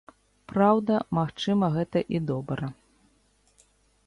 Праўда, магчыма, гэта і добра.